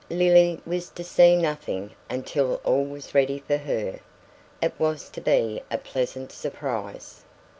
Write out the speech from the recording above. Lily was to see nothing until all was ready for her. It was to be a "pleasant surprise".